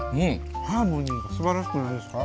ハーモニーがすばらしくないですか？